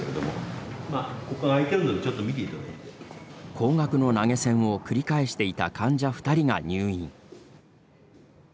高額の投げ銭を繰り返していた患者２人が入院。